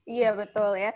iya betul ya